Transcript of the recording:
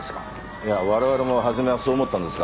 いや我々も初めはそう思ったんですが。